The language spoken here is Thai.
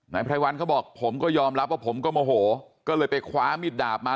ไพรวัลเขาบอกผมก็ยอมรับว่าผมก็โมโหก็เลยไปคว้ามิดดาบมา